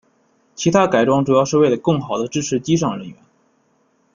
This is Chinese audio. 其它改装主要是为了更好地支持机上人员。